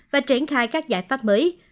và triển khai các giải pháp mới